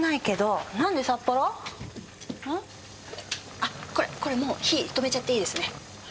あっこれこれもう火止めちゃっていいですね。